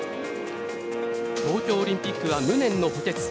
東京オリンピックは無念の補欠。